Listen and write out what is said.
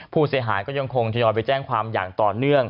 ผู้เสียหายก็ยังคงทยอยไปแจ้งความอย่างต่อเนื่อง